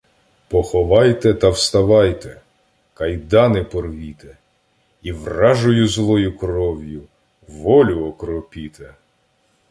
Поховайте та вставайте, кайдани порвіте і вражою злою кров’ю волю окропіте.